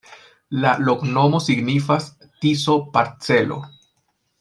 La loknomo signifas: Tiso-parcelo.